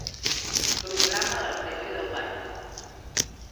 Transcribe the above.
Programa la tele del bany.